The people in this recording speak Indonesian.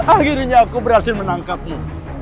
akhirnya aku bertemu denganmu